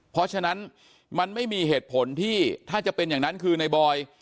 เพราะฉะนั้นมันไม่มีเหตุผลที่ถ้าจะเป็นอย่างนั้นคือในบอย